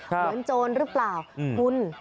เหมือนโจรหรือเปล่าคุณ